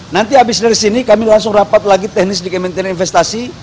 nanti habis dari sini kami langsung rapat lagi teknis di kementerian investasi